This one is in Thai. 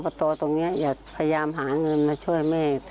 ตอตรงนี้อยากพยายามหาเงินมาช่วยแม่